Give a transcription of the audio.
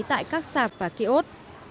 tại các sạp và ký ốt